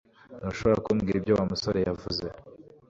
Ntushobora kumbwira ibyo Wa musore yavuze